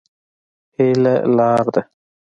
هيله لار ده.